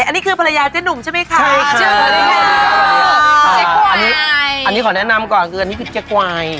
อันนี้คือภรรยาเจ๊หนุ่มใช่ไหมคะเชิญเลยค่ะอันนี้อันนี้ขอแนะนำก่อนคืออันนี้คือเจ๊กวาย